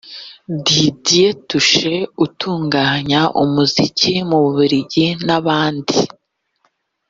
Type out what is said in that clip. Didier Touch utunganya umuziki mu Bubirigi n’abandi